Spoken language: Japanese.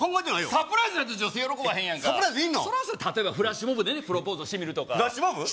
サプライズないと女性喜ばへんやんか例えばフラッシュモブでねプロポーズをしてみるとか知ってます？